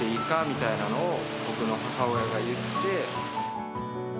みたいなのを、僕の母親が言って。